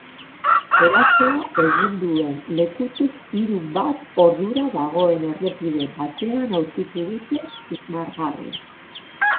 Erasoa egin duen lekutik hiru bat ordura dagoen errepide batean aurkitu dute susmagarria.